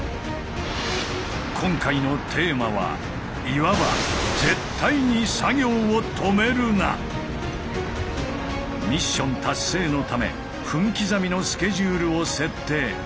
今回のテーマはいわば絶対にミッション達成のため分刻みのスケジュールを設定。